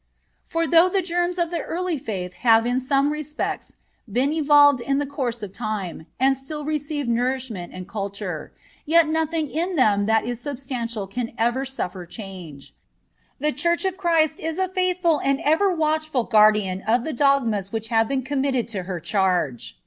For though the germs of the early faith have in some respects been evolved in the course of time, and still receive nourishment and culture, yet nothing in them that is substantial can ever suffer change. The Church of Christ is a faithful and ever watchful guardian of the dogmas which have been committed to her charge.